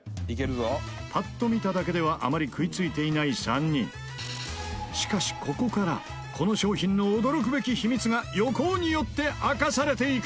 パッと見ただけではあまり食いついていない３人しかし、ここからこの商品の驚くべき秘密が横尾によって明かされていく！